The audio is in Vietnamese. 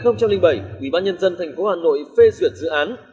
năm hai nghìn bảy quỹ bán nhân dân thành phố hà nội phê duyệt dự án